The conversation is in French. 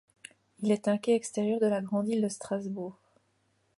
Il est un quai extérieur de la grande île de Strasbourg.